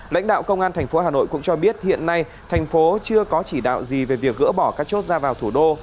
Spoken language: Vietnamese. lãnh đạo công an tp hà nội cũng cho biết hiện nay thành phố chưa có chỉ đạo gì về việc gỡ bỏ các chốt ra vào thủ đô